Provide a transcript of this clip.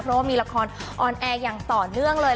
เพราะว่ามีละครออนแอร์อย่างต่อเนื่องเลย